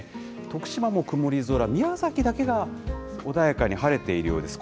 徳島も曇り空、宮崎だけが穏やかに晴れているようです。